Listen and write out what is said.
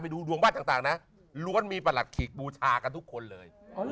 ดูดวงบ้านต่างนะล้วนมีประหลัดขีกบูชากันทุกคนเลย